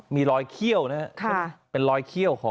มีภาพจากกล้อมรอบหมาของเพื่อนบ้าน